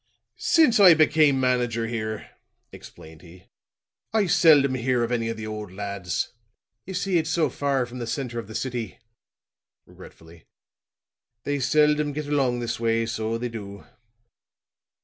"Since I became manager here," explained he, "I seldom hear of any of the old lads. Ye see, it's so far from the center of the city," regretfully, "they seldom get along this way, so they do."